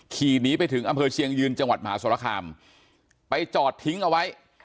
ขี่หนีไปถึงอำเภอเชียงยืนจังหวัดมหาสรคามไปจอดทิ้งเอาไว้